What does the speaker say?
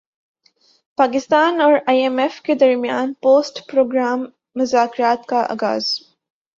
پاکستان اور I M F کے درمیان پوسٹ پروگرام مذاکرات کا اغاز